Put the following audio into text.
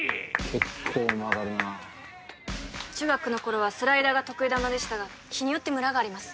結構曲がるな中学の頃はスライダーが得意球でしたが日によってムラがあります